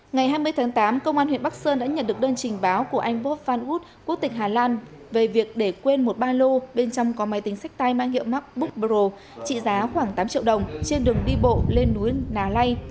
ngày hai mươi tháng tám công an huyện bắc sơn đã nhận được đơn trình báo của anh bob van wood quốc tịch hà lan về việc để quên một ba lô bên trong có máy tính sách tay mang hiệu mắt bookpro trị giá khoảng tám triệu đồng trên đường đi bộ lên núi nà lây